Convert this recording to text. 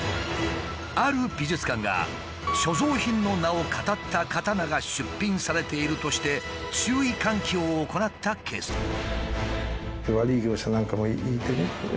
ある美術館が「所蔵品の名をかたった刀が出品されている」として注意喚起を行ったケースも。